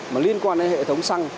mà liên quan đến hệ thống xăng